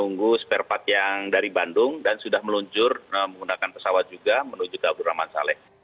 menunggu spare part yang dari bandung dan sudah meluncur menggunakan pesawat juga menuju ke abdurrahman saleh